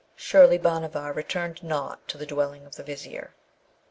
Surely Bhanavar returned not to the dwelling of the Vizier.